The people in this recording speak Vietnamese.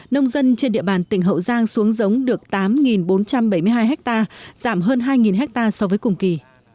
nông dân trên địa bàn tỉnh hậu giang xuống giống được tám bốn trăm bảy mươi hai ha giảm hơn hai hectare so với cùng kỳ